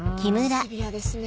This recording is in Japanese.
シビアですね。